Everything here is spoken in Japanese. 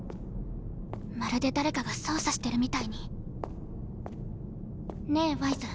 まるで誰かが操作してるみたいに。ねぇワイズ。